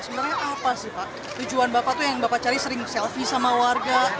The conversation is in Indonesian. sebenarnya apa sih pak tujuan bapak tuh yang bapak cari sering selfie sama warga